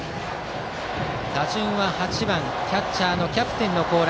打順は８番、キャッチャーのキャプテンの高良。